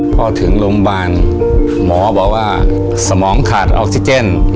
พอถึงโรงพยาบาลหมอบอกว่าสมองขาดออกซิเจน